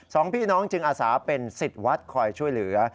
สองพี่น้องจึงอาสาเป็นสิทธิ์วัดคอยช่วยเหลือ